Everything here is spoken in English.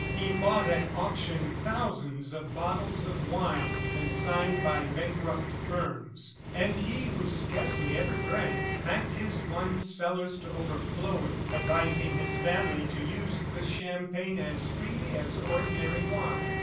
He bought at auction thousands of bottles of wine consigned by bankrupt firms, and he who scarcely ever drank, packed his wine cellars to overflowing, advising his family to use the champagne as freely as ordinary wine.